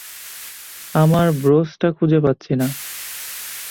আমার ব্রোচটা খুঁজে পাচ্ছি না।